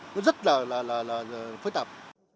nó rất là phối tạp